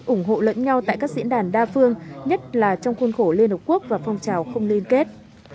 ủng hộ lẫn nhau tại các diễn đàn đa phương nhất là trong khuôn khổ liên hợp quốc và phong trào không liên kết